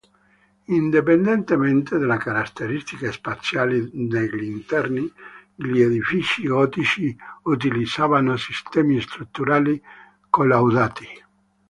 Indipendentemente dalle caratteristiche spaziali degli interni, gli edifici gotici utilizzavano sistemi strutturali collaudati.